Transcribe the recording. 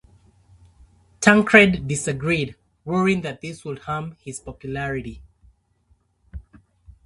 Tancred disagreed, worrying that this would harm his popularity.